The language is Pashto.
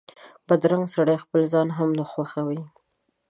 بدرنګه سړی خپل ځان هم نه خوښوي